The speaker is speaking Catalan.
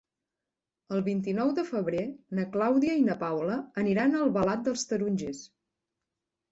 El vint-i-nou de febrer na Clàudia i na Paula aniran a Albalat dels Tarongers.